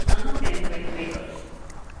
None of them were Quakers.